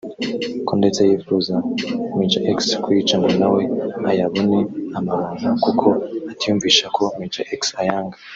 ko ndetse yifuriza Major X kuyica ngo na we ayabone (amaronko) kuko atiyumvisha ko Major X ayanga